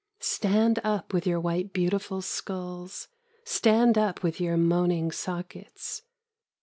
Stand up with your white beautiful skulls. Stand up with your moaning sockets.